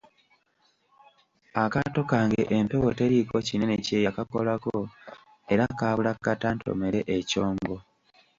Akaato kange empewo teriiko kinene kye yakakolako, era kaabula kata ntomere ekyombo.